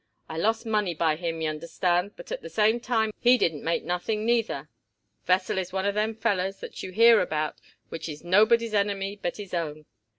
I lost money by him, y'understand, but at the same time he didn't make nothing neither. Vesell is one of them fellers what you hear about which is nobody's enemy but his own."